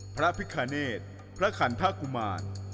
พระพิคเนธพระขันทกุมาร